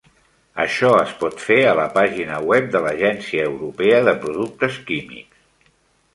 Això es pot fer a la pàgina web de l'Agència Europea de Productes Químics.